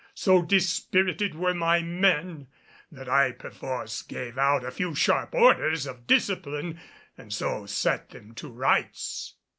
So dispirited were my men that I perforce gave out a few sharp orders of discipline, and so set them to rights.